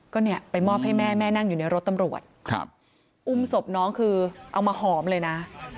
ก็เนี่ยไปมอบให้แม่แม่นั่งอยู่ในรถตำรวจครับอุ้มศพน้องคือเอามาหอมเลยนะ